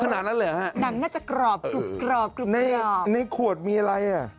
ขนาดนั้นเลยเหรอฮะหนังน่าจะกรอบกรุบกรอบกลุ่มในในขวดมีอะไรอ่ะ